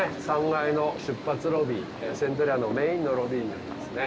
３階の出発ロビーセントレアのメインのロビーになりますね。